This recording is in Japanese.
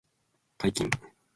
解禁